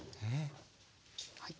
はい。